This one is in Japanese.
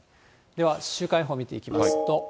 では、週間予報見ていきますと。